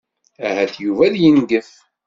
Ahat Yuba ad yengef.